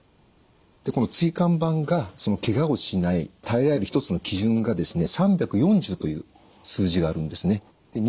この椎間板がけがをしない耐えられる一つの基準がですね３４０という数字があるんですね。